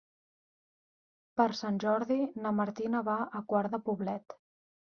Per Sant Jordi na Martina va a Quart de Poblet.